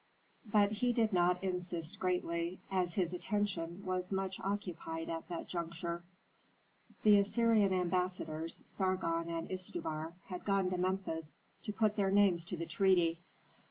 But he did not insist greatly, as his attention was much occupied at that juncture. The Assyrian ambassadors, Sargon and Istubar, had gone to Memphis to put their names to the treaty.